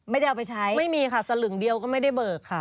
ไม่ได้เอาไปใช้ไม่มีค่ะสลึงเดียวก็ไม่ได้เบิกค่ะ